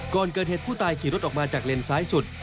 ก่อนเกิดเหตุผู้ตายขี่รถออกมาจากเลนซ้ายสุด